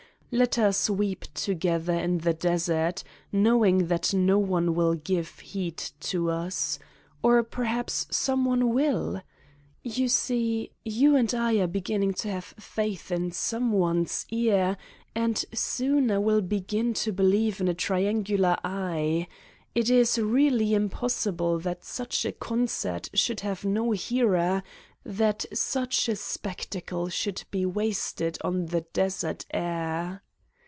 Let us weep to gether in the desert, knowing that no one will give heed to us ... or perhaps some one will? You see : you and I are beginning to have faith in some one's Ear and soon I will begin to believe in a triangular Eye ... it is really impossible that such a concert should have no hearer, that such a spectacle should be wasted on the desert air!